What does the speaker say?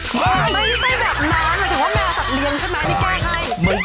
ไม่ใช่แบบนั้นหมายถึงว่าแมวสัตเลี้ยงใช่ไหมอันนี้แก้ให้